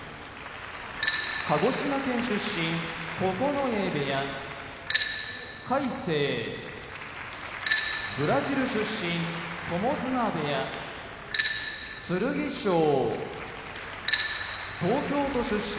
鹿児島県出身九重部屋魁聖ブラジル出身友綱部屋剣翔東京都出身